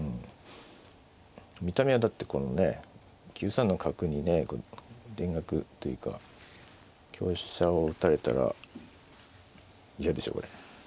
見た目はだってこのね９三の角にね田楽というか香車を打たれたら嫌でしょうこれ。